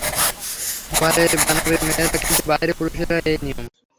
ঘরে বানাবে মেয়েরা, কিন্তু বাইরে পুরুষেরা-এ-ই নিয়ম।